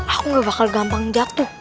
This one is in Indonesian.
aku gak bakal gampang jatuh